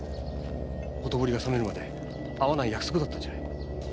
ほとぼりが冷めるまで会わない約束だったじゃない。